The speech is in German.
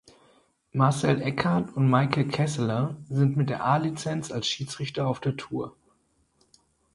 Marcel Eckardt und Maike Kesseler sind mit der A-Lizenz als Schiedsrichter auf der Tour.